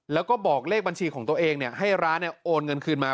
แล้วก็บอกเลขบัญชีของตัวเองให้ร้านโอนเงินคืนมา